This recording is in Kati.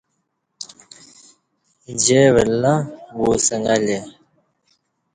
جے ولہ وو سنگں لے